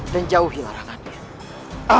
dan jauhi larangannya